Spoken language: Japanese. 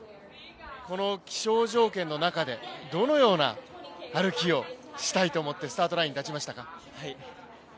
この気象条件の中でどのような歩きをしたいと思ってスタートラインに立ちましたか？